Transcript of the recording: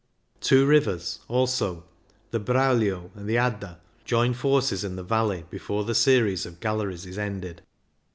Two rivers, also, the Braulio and the Adda, join forces in the valley before the series of galleries is ended.